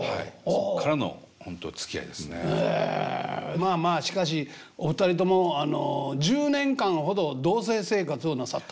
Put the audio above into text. まあまあしかしお二人ともあの１０年間ほど同棲生活をなさった。